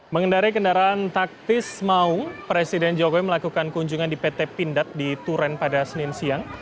mengendari kendaraan taktis maung presiden jokowi melakukan kunjungan di pt pindad di turen pada senin siang